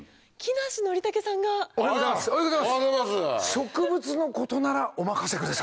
植物のことならお任せください。